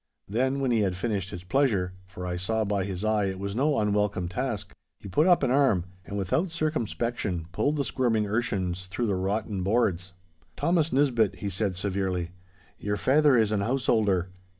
Then, when he had finished his pleasure—for I saw by his eye it was no unwelcome task—he put up an arm, and without circumspection pulled the squirming urchins through the rotten boards. 'Thomas Nisbett,' he said severely, 'your faither is an householder.